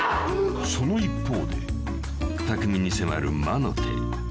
［その一方で匠に迫る魔の手］